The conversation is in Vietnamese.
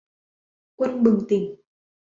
Quân bừng tỉnh